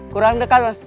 kurang dekat mas